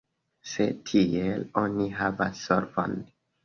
Se tiel, oni havas solvon.